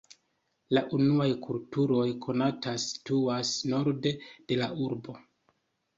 La unuaj kulturoj konataj situas norde de la urbo.